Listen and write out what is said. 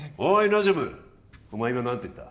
ナジュムお前今何て言った？